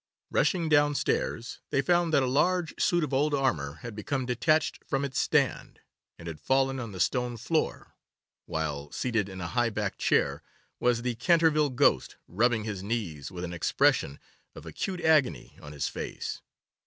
Rushing downstairs, they found that a large suit of old armour had become detached from its stand, and had fallen on the stone floor, while, seated in a high backed chair, was the Canterville ghost, rubbing his knees with an expression of acute agony on his face.